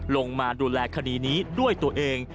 ลงมาดูแลคดีนี้ด้วยตัวเอง